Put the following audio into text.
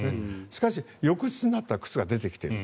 しかし翌日になったら靴が出てきている。